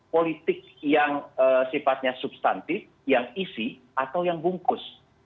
politik yang sifatnya substantif yang isi atau yang bungkus